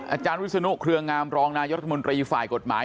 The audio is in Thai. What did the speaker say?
อาจารย์วิศนุเครืองามรองนายรัฐมนตรีฝ่ายกฎหมาย